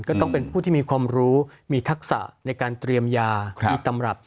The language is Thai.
ก็ต้องเป็นผู้ที่มีความรู้มีทักษะในการเตรียมยามีตำรับ